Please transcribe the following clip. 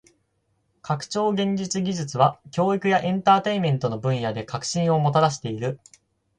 拡張現実技術は教育やエンターテインメントの分野で革新をもたらしている。